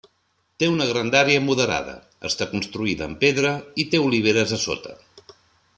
Té una grandària moderada, està construïda amb pedra i té oliveres a sota.